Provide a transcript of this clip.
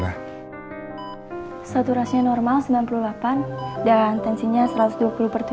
saturasinya normal sembilan puluh delapan dan tensinya satu ratus dua puluh per tujuh puluh